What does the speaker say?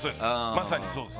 まさにそうです。